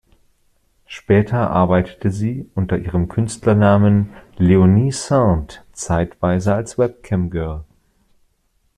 Später arbeitete sie unter ihrem Künstlernamen Leonie Saint zeitweise als Webcam-Girl.